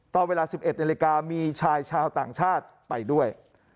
ตอนเวลา๑๑นาฬิกามีชายชาวต่างชาติไปด้วย